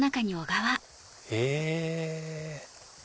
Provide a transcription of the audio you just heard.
へぇ。